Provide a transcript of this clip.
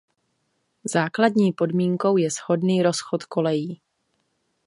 Základní podmínkou je shodný rozchod kolejí.